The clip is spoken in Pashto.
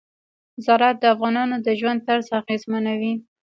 زراعت د افغانانو د ژوند طرز اغېزمنوي.